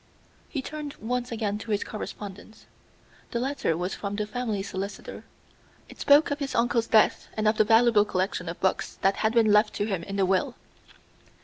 He turned once again to his correspondence. The letter was from the family solicitor. It spoke of his uncle's death and of the valuable collection of books that had been left to him in the will.